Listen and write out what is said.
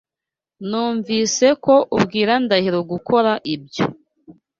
Numvise ko ubwira Ndahiro gukora ibyo.